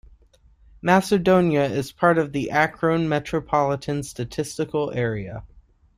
Macedonia is part of the Akron Metropolitan Statistical Area.